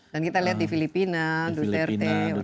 dan kita lihat di filipina duterte